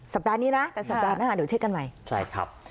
สัปดาห์นี้นะแต่สัปดาห์หน้าเดี๋ยวเช็คกันใหม่ใช่ครับ